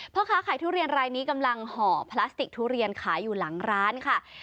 พ่อค้าขายทุเรียนรายนี้กำลังห่อพลาสติกทุเรียนขายอยู่หลังร้านค่ะ